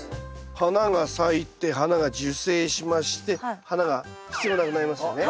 花が咲いて花が受精しまして花が必要なくなりますよね。